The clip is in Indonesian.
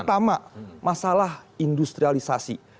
pertama masalah industrialisasi